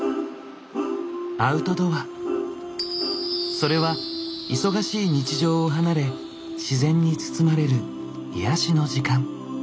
それは忙しい日常を離れ自然に包まれる癒やしの時間。